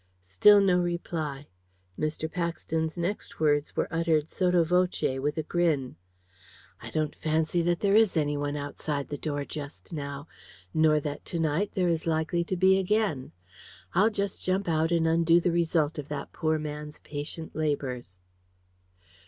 Still no reply. Mr. Paxton's next words were uttered sotto voce with a grin. "I don't fancy that there is any one outside the door just now; nor that to night there is likely to be again. I'll just jump out and undo the result of that poor man's patient labours."